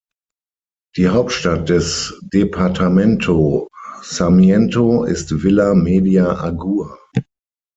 Die Hauptstadt des Departamento Sarmiento ist Villa Media Agua.